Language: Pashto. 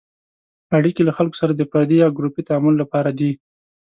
اړیکې له خلکو سره د فردي یا ګروپي تعامل لپاره دي.